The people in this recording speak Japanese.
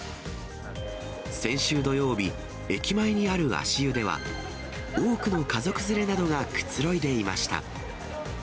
先週土曜日、駅前にある足湯では、多くの家族連れなどがくつろいでいました。